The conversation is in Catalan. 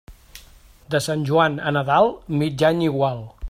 De Sant Joan a Nadal, mig any igual.